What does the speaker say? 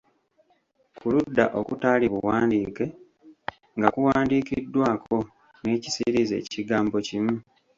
Ku ludda okutaali buwandiike nga kuwandiikiddwako n'ekisiriiza ekigambo kimu.